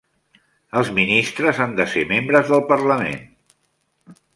Els ministres han de ser membres del parlament.